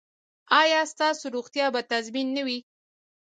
ایا ستاسو روغتیا به تضمین نه وي؟